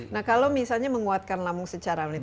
nah kalau misalnya menguatkan lambung secara menit